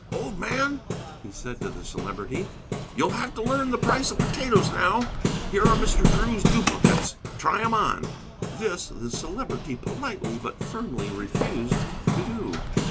"Old man," he said to the Celebrity, "you'll have to learn the price of potatoes now. Here are Mr. Drew's duplicates; try 'em on." This the Celebrity politely but firmly refused to do.